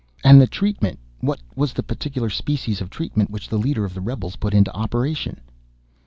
"And the treatment—what was the particular species of treatment which the leader of the rebels put into operation?"